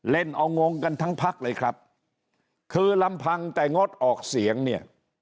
เล่นเอางงกันทั้งพักเลยครับคือลำพังแต่งดออกเสียงเนี่ย